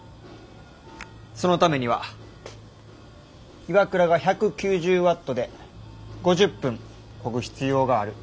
そのためには岩倉が１９０ワットで５０分こぐ必要がある。